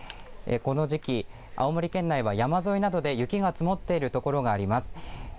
この時期青森県内は山沿いなどで雪が積もっている所があります。